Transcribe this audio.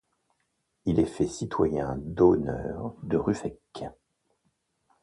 Il est fait citoyen d’honneur de Ruffec.